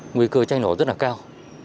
nguy cơ cháy nổ rất là cao